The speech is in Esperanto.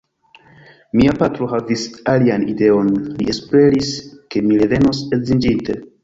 Mia patro havis alian ideon: li esperis, ke mi revenos edziĝinte.